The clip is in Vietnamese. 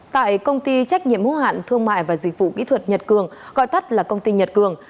tại công ty trách nhiệm hữu hạn thương mại và dịch vụ kỹ thuật nhật cường gọi tắt là công ty nhật cường